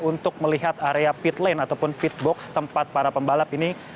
untuk melihat area pit lane ataupun pit box tempat para pembalap ini